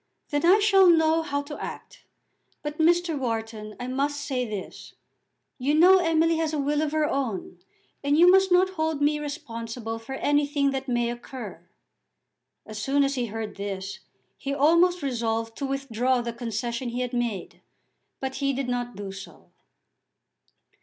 Then I shall know how to act. But, Mr. Wharton, I must say this, you know Emily has a will of her own, and you must not hold me responsible for anything that may occur." As soon as he heard this he almost resolved to withdraw the concession he had made; but he did not do so.